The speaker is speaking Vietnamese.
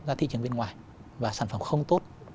ra thị trường bên ngoài và sản phẩm không tốt